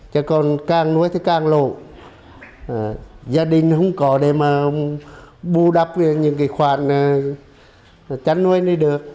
chứ còn càng nuôi thì càng lộ gia đình không có để mà bù đắp những cái khoản chăn nuôi này được